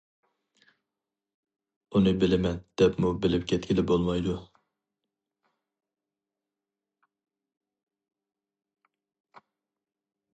ئۇنى بىلىمەن دەپمۇ بىلىپ كەتكىلى بولمايدۇ.